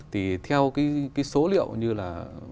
thì theo cái số liệu như là